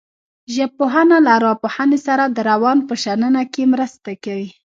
ژبپوهنه له ارواپوهنې سره د روان په شننه کې مرسته کوي